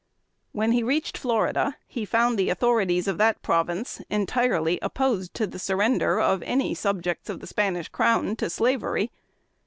When he reached Florida, he found the authorities of that Province entirely opposed to the surrender of any subjects of the Spanish crown to slavery.